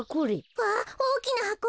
わおおきなはこ。